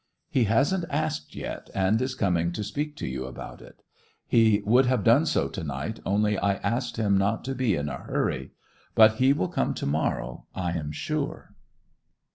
He hasn't asked yet, and is coming to speak to you about it. He would have done so to night, only I asked him not to be in a hurry. But he will come to morrow, I am sure!